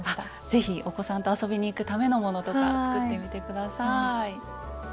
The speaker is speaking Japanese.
是非お子さんと遊びに行くためのものとか作ってみて下さい。